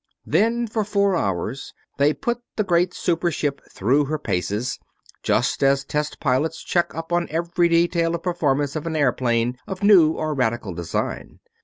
Then for four hours they put the great super ship through her paces, just as test pilots check up on every detail of performance of an airplane of new and radical design.